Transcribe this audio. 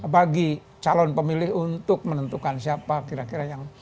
bagi calon pemilih untuk menentukan siapa kira kira yang